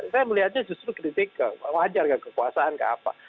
saya melihatnya justru kritik wajar ke kekuasaan ke apa